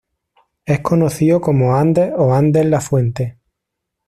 Es conocido como Ander o Ander Lafuente.